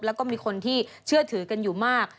แล้วก็มีคนที่เชื่อถือกันอยู่มาก